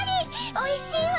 おいしいわ！